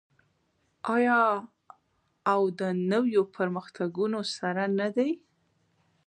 آیا او د نویو پرمختګونو سره نه دی؟